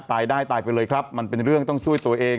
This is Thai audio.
ตายได้ตายไปเลยครับมันเป็นเรื่องต้องช่วยตัวเอง